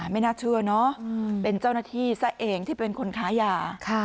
ไม่น่าเชื่อเนอะเป็นเจ้าหน้าที่ซะเองที่เป็นคนค้ายา